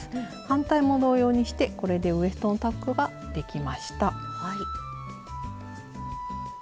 反対も同様にしてこれでウエストのタックができました。